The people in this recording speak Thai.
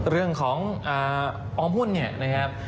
เรื่องของออมหุ้นเนี่ยนะครับ